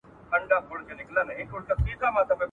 څومره تللي د ابد په خوب ویده دي